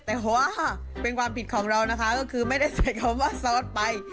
แต่ว่าเป็นความผิดของเรานะคะก็คือไม่ได้ใส่คำว่าซอสไป